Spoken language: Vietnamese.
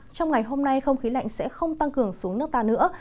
trong ngày hôm nay không khí lạnh sẽ không tăng cường xuống nước ta nữa